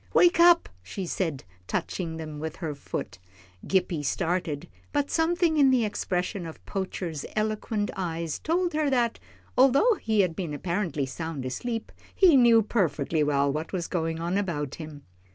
"Wake up," she said, touching them with her foot. Gippie started, but something in the expression of Poacher's eloquent eyes told her that, although he had been apparently sound asleep, he knew perfectly well what was going on about him.